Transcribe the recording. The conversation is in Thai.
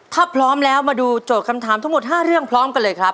ถ้าพร้อมแล้วมาดูโจทย์คำถามทั้งหมด๕เรื่องพร้อมกันเลยครับ